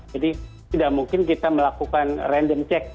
jadi tidak mungkin kita melakukan random check